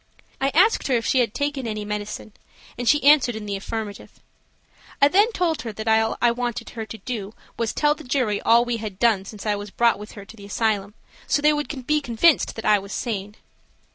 I asked her if she had taken any medicine, and she answered in the affirmative. I then told her that all I wanted her to do was tell the jury all we had done since I was brought with her to the asylum, so they would be convinced that I was sane.